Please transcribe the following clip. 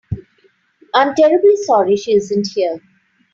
I'm terribly sorry she isn't here.